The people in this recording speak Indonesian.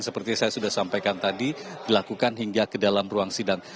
seperti yang saya sudah sampaikan tadi dilakukan hingga ke dalam ruang sidang